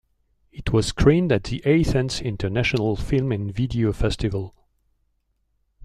It was screened at the Athens International Film and Video Festival.